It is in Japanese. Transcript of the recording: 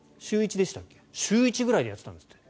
週１ぐらいでやっていたんですって。